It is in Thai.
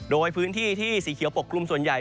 โดยพื้นที่ที่สีเขียวปกกลุ่มส่วนใหญ่